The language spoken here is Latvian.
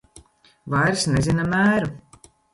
Vairs nezina mēru.